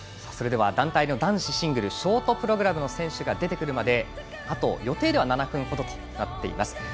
それでは団体の男子シングルショートプログラムの選手が出てくるまであと予定では７分ほどです。